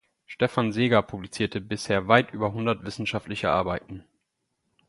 Stefan Seeger publizierte bisher weit über hundert wissenschaftliche Arbeiten.